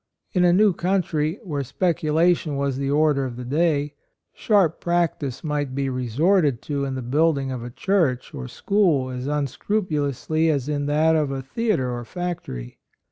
In a new country, where speculation was 78 A ROYAL SON the order of the day, sharp practice might be resorted to in the building of a church or school as unscrupulously as in that of a theatre or factory.